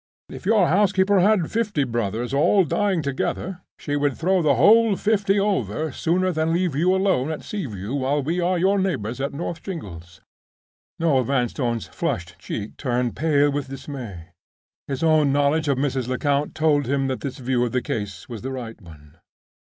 If your housekeeper had fifty brothers all dying together, she would throw the whole fifty over sooner than leave you alone at Sea View while we are your neighbors at North Shingles." Noel Vanstone's flushed cheek turned pale with dismay. His own knowledge of Mrs. Lecount told him that this view of the case was the right one.